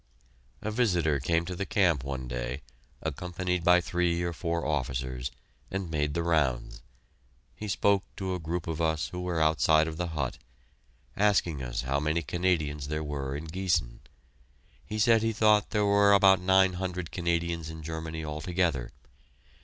A visitor came to the camp one day, and, accompanied by three or four officers, made the rounds. He spoke to a group of us who were outside of the hut, asking us how many Canadians there were in Giessen. He said he thought there were about nine hundred Canadians in Germany altogether.